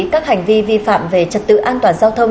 các hành vi vi phạm về trật tự an toàn giao thông